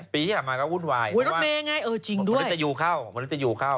ปีที่ถึงมาก็วุ่นวายเพราะว่าวุยรวตเมตรอยู่เข้า